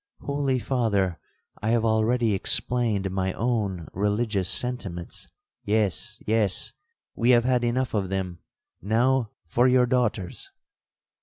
'—'Holy Father, I have already explained my own religious sentiments.'—'Yes—yes—we have had enough of them; now for your daughter's.'